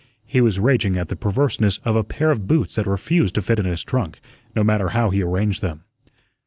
He was raging at the perverseness of a pair of boots that refused to fit in his trunk, no matter how he arranged them.